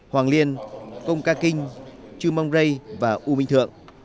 hoàng liên công ca kinh chư mông rây và u minh thượng